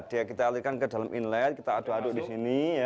dia kita alihkan ke dalam inlet kita aduk aduk di sini